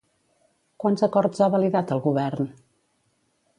Quants acords ha validat el govern?